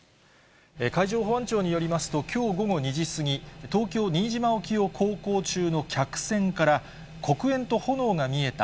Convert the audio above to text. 海上保安庁によりますと、きょう午後２時過ぎ、東京・新島沖を航行中の客船から、黒煙と炎が見えた。